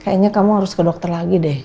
kayaknya kamu harus ke dokter lagi deh